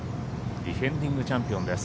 ディフェンディングチャンピオンです。